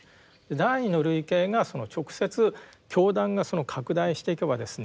第二の類型がその直接教団が拡大していけばですね